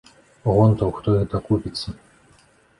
Гонтаў хто іх дакупіцца.